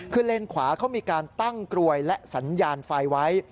คือเลนขวาเขามีการตั้งกลวยและสัญญาณไฟไว้